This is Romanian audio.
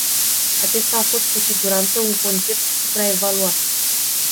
Aceasta a fost cu siguranță un concept supraevaluat.